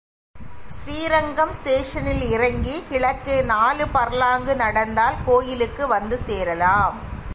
ஸ்ரீரங்கம் ஸ்டேஷனில் இறங்கி, கிழக்கே நாலு பர்லாங்கு நடந்தால் கோயிலுக்கு வந்துசேரலாம்.